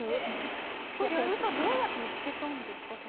どうやって見つけたんですか？